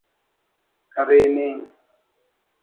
کرینے